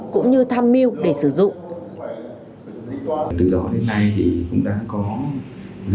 cũng như tham mưu để sử dụng